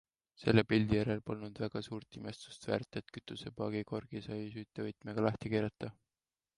Selle pildi järel polnud väga suurt imestust väärt, et kütusepaagi korgi sai süütevõtmega lahti keerata.